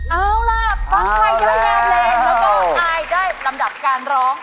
เอาล่ะปลั๊กไฟจะได้แนวเพลงแล้วก็อายได้ลำดับการร้อง